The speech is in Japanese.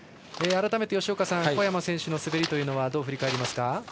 改めて、吉岡さん小山選手の滑りというのはどう振り返りますか。